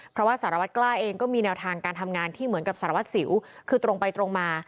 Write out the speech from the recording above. เพราะว่าสารวัตกล้าเองก็มีแนวทางการทำงานที่เหมือนกับสารวัตรสิวคือตรงไปตรงมา